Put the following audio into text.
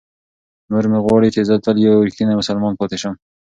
مور مې غواړي چې زه تل یو رښتینی مسلمان پاتې شم.